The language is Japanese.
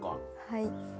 はい。